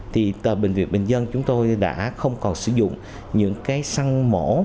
thì tờ bệnh viện bệnh dân chúng tôi đã không còn sử dụng những cái săn mổ